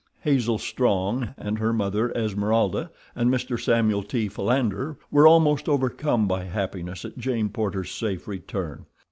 Hazel Strong and her mother, Esmeralda, and Mr. Samuel T. Philander were almost overcome by happiness at Jane Porter's safe return.